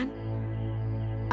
dengan mengarahkan bala bantuan siluman